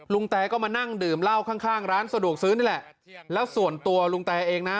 แตก็มานั่งดื่มเหล้าข้างข้างร้านสะดวกซื้อนี่แหละแล้วส่วนตัวลุงแตเองนะ